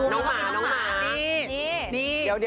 น้าวหมา